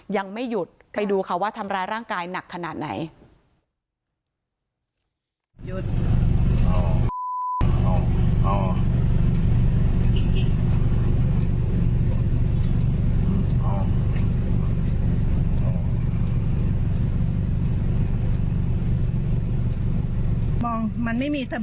ยังไม่หยุดไปดูค่ะว่าทำร้ายร่างกายหนักขนาดไหน